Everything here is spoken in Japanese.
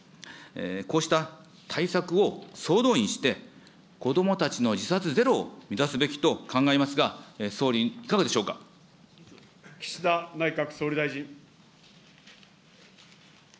こうした対策を総動員して、子どもたちの自殺ゼロを目指すべきと考えますが、総理、いかがで岸田内閣総理大臣。